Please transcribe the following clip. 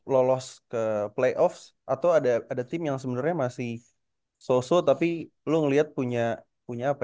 lulus ke playoff atau ada ada tim yang sebenarnya masih sosok tapi lu ngelihat punya punya apa